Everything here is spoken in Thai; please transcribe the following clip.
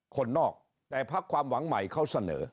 คนนอกแต่พักความหวังใหม่เขาเสนอ